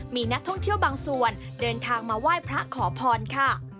มีนักท่องเที่ยวบางส่วนเดินทางมาไหว้พระขอพรค่ะ